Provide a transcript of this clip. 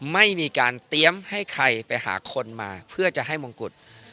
ไม่มีการเตรียมให้ใครไปหาคนมาเพื่อจะให้มงกุฎ